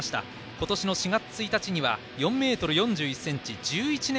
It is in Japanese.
今年の４月１日には４ｍ４１ｃｍ１１年